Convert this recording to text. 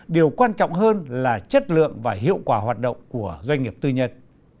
điều quan trọng hơn là chất lượng và hiệu quả hoạt động của doanh nghiệp tư nhân